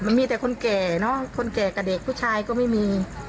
มันมีแต่คนแก่เนอะคนแก่กับเด็กผู้ชายก็ไม่มี